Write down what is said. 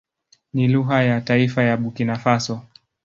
Ni lugha ya taifa ya Burkina Faso.